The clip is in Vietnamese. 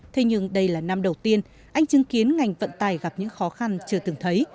thế nhưng đây là năm đầu tiên anh chứng kiến ngành vận tài gặp những khó khăn chưa từng thấy